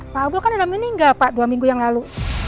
pak abul kan dalam ini enggak pak dua minggu yang lalu